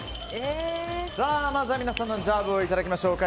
まずは皆さんのジャブをいただきましょうか。